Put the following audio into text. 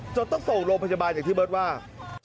จนต้องส่งโรงพจบาลจากที่เบิศวาค